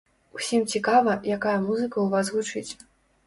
Усім цікава, якая музыка ў вас гучыць.